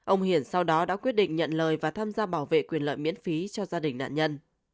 ông hiển sau đó đã quyết định nhận lời và tham gia bảo vệ quyền lợi miễn phí cho gia đình nạn nhân